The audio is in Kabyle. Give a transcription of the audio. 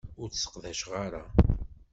Ur tt-sseqdaceɣ ara.